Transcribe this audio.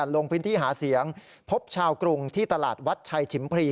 ลงพื้นที่หาเสียงพบชาวกรุงที่ตลาดวัดชัยฉิมพรี